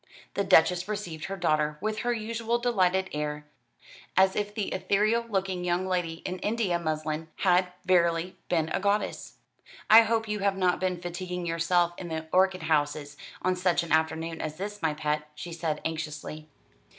The Duchess received her daughter with her usual delighted air, as if the ethereal looking young lady in India muslin had verily been a goddess. "I hope you have not been fatiguing yourself in the orchid houses on such an afternoon as this, my pet," she said anxiously.